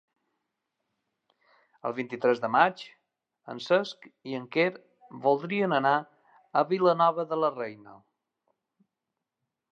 El vint-i-tres de maig en Cesc i en Quer voldrien anar a Vilanova de la Reina.